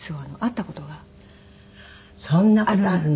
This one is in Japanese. そんな事あるの？